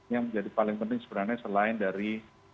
yang menjadi paling penting sebenarnya selain dari